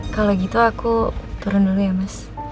kalau gitu aku turun dulu ya mas